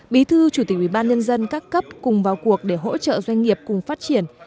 bí thư chủ tịch ubnd các cấp cùng vào cuộc để hỗ trợ doanh nghiệp cùng phát triển